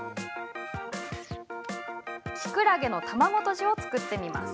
きくらげの卵とじを作ってみます。